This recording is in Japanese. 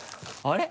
あれ？